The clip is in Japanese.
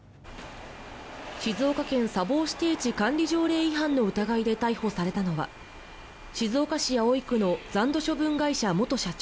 静岡県砂防指定地管理条例違反の疑いで逮捕されたのは静岡市葵区の残土処分会社元社長